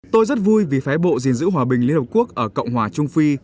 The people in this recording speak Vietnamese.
tôi rất vui vì phé bộ gìn giữ hòa bình liên hợp quốc ở cộng hòa trung phi